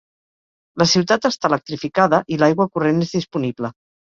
La ciutat està electrificada i l'aigua corrent és disponible.